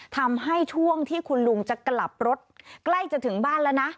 ทำให้ช่วงที่คุณลุงจะกลับรถใกล้จะถึงบ้านแล้วนะ